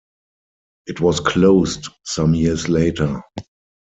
It was closed some years later.